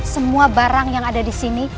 semua barang yang ada disini